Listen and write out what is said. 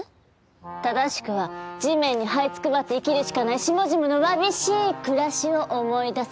正しくは地面にはいつくばって生きるしかない下々のわびしい暮らしを思い出させる。